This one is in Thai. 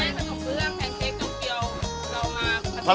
เรามาผสมกัน